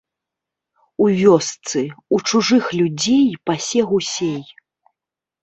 У вёсцы, у чужых людзей пасе гусей.